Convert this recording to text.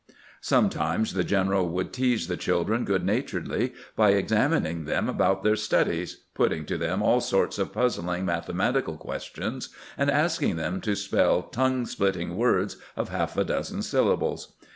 Sometimes the general would tease the children good naturedly by examining them about their studies, putting to them aU sorts of puzzling mathe matical questions, and asking them to spell tongue split ting words of half a dozen syllables.